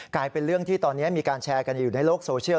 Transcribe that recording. กลายเป็นเรื่องที่ตอนนี้มีการแชร์กันอยู่ในโลกโซเชียล